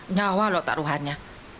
nyawa loh taruhannya